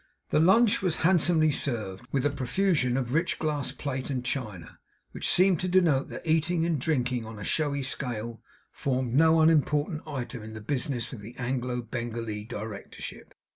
The lunch was handsomely served, with a profusion of rich glass plate, and china; which seemed to denote that eating and drinking on a showy scale formed no unimportant item in the business of the Anglo Bengalee Directorship.